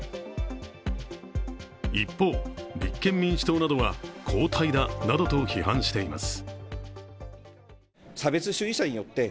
一方、立憲民主党などは後退だなどと批判しています。